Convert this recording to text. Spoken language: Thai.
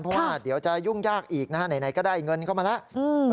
เพราะว่าเดี๋ยวจะยุ่งยากอีกนะฮะไหนก็ได้เงินเข้ามาแล้ว